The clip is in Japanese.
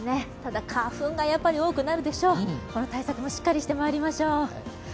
ただ、花粉が多くなるでしょう、この対策もしっかりしてまいりましょう。